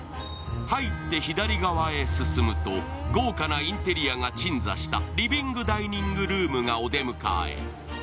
入って左側へ進むと、豪華なインテリアが鎮座した、リビング・ダイニング・ルームがお出迎え。